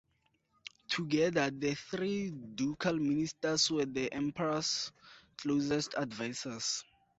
Together, the Three Ducal Ministers were the emperor's closest advisors.